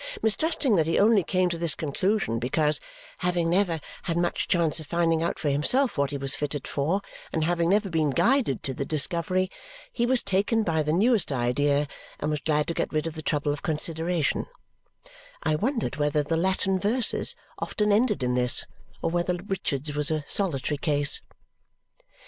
Mistrusting that he only came to this conclusion because, having never had much chance of finding out for himself what he was fitted for and having never been guided to the discovery, he was taken by the newest idea and was glad to get rid of the trouble of consideration, I wondered whether the Latin verses often ended in this or whether Richard's was a solitary case.